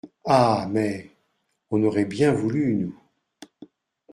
Ah mais, on aurait bien voulu, nous.